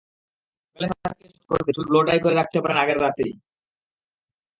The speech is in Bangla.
সকালের সাজকে সহজ করতে চুল ব্লো ড্রাই করে রাখতে পারেন আগের রাতেই।